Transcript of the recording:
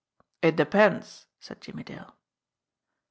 "It depends," said Jimmie Dale.